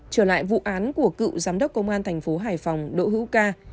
trở lại vụ án của cựu giám đốc công an thành phố hải phòng đỗ hữu ca